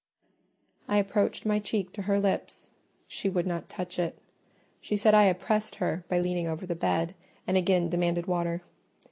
I approached my cheek to her lips: she would not touch it. She said I oppressed her by leaning over the bed, and again demanded water.